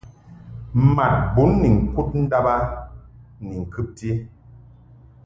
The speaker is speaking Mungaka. Mad bun ni ŋkud ndàb a ni ŋkɨbti.